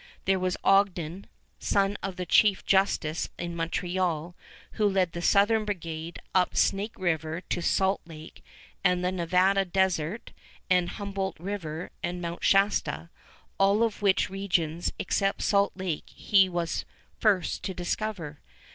There was Ogden, son of the Chief Justice in Montreal, who led the Southern Brigade up Snake River to Salt Lake and the Nevada desert and Humboldt River and Mt. Shasta, all of which regions except Salt Lake he was first to discover.